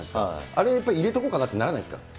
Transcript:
あれやっぱり、入れとこうかな？ってならないですか？